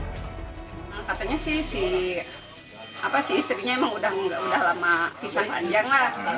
katanya sih si istrinya emang udah lama pisah panjang lah